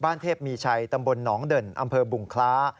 บ้านเทพมีชัยตมนตร์ห้องเด่นอำเภอบุงคล้า